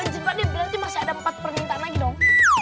jin pade berarti masih ada empat permintaan lagi dong